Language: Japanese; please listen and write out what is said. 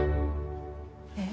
えっ？